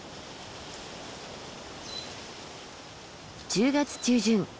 １０月中旬